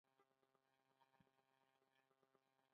د روسي ترکستان د ګورنر جنرال لیک ورته راورسېد.